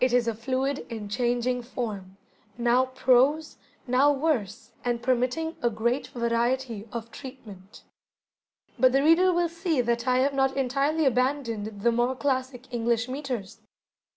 It is a fluid and changing form, now prose, now verse, and permitting a great variety of treatment. But the reader will see that I have not entirely abandoned the more classic English metres.